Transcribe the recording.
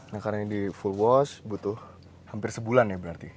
nah karena ini di full wash butuh hampir sebulan ya berarti